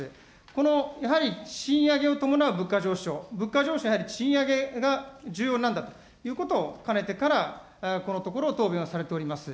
このやはり、賃上げを伴う物価上昇、物価上昇やはり、賃上げが重要なんだということを、かねてからこのところ、答弁をされております。